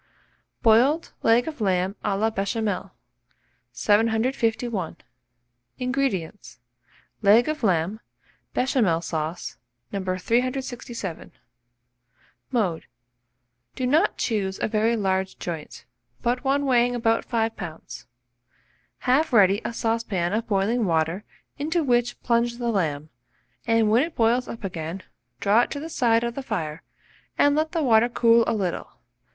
BOILED LEG OF LAMB A LA BECHAMEL. 751. INGREDIENTS. Leg of lamb, Béchamel sauce, No. 367. Mode. Do not choose a very large joint, but one weighing about 5 lbs. Have ready a saucepan of boiling water, into which plunge the lamb, and when it boils up again, draw it to the side of the fire, and let the water cool a little.